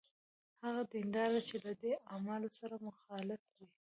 هغه دینداره چې له دې اعمالو سره مخالف دی.